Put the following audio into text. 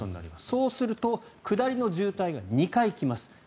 そうすると下りの渋滞が２回来ます。